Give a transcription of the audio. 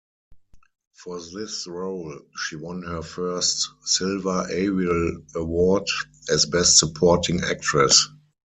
For this role, she won her first Silver Ariel Award, as Best Supporting Actress.